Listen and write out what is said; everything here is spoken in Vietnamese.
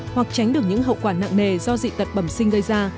hoặc tránh được những hậu quả nặng nề do dị tật bẩm sinh gây ra